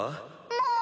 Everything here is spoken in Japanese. もう！